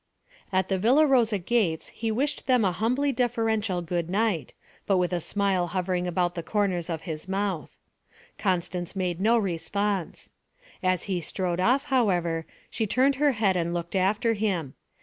At the Villa Rosa gates he wished them a humbly deferential good night, but with a smile hovering about the corners of his mouth. Constance made no response. As he strode off, however, she turned her head and looked after him.